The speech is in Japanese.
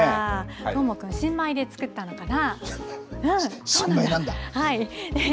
どーもくん新米で作ったのかな。